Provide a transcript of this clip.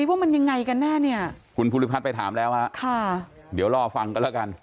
ว่ามันยังไงกันแน่เนี่ยคุณภูริพัฒน์ไปถามแล้วฮะค่ะเดี๋ยวรอฟังกันแล้วกัน